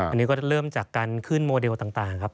อันนี้ก็จะเริ่มจากการขึ้นโมเดลต่างครับ